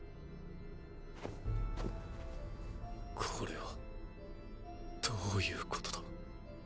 これはどういうことだ？